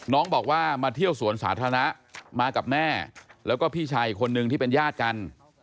น้องบอกว่ามาเที่ยวสวนสาธารณะมากับแม่แล้วก็พี่ชายอีกคนนึงที่เป็นญาติกัน